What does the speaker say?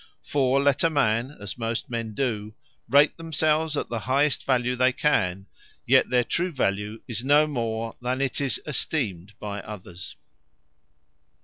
For let a man (as most men do,) rate themselves as the highest Value they can; yet their true Value is no more than it is esteemed by others.